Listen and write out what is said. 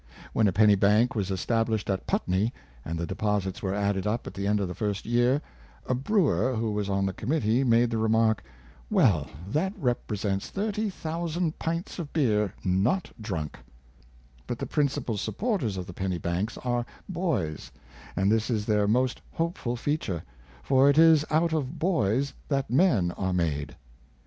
When a penny bank was established at Putney, and the deposits were added up at the end of the first year, a brewer, who was on the committee, made the remark, "Well, that represents thirty thousand pints of beer not dricnky But the principal supporters of the penny banks are boys, and this is their most hopeful feature; for it is out of boys that men are made.